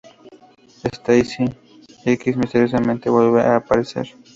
Stacy X misteriosamente vuelve a aparecer.